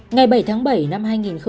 ngày bảy tháng bảy năm hai nghìn hai mươi